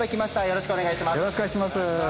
よろしくお願いします。